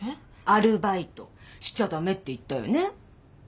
アルバイトしちゃ駄目って言ったよね？